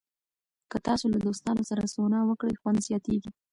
که تاسو له دوستانو سره سونا وکړئ، خوند زیاتېږي.